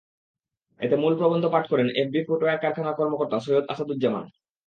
এতে মূল প্রবন্ধ পাঠ করেন এফবি ফুটওয়্যার কারখানার কর্মকর্তা সৈয়দ আসাদুজ্জামান।